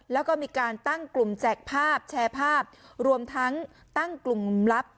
แล้วก็มีการตั้งกลุ่มแจกภาพแชร์ภาพรวมทั้งตั้งกลุ่มลับ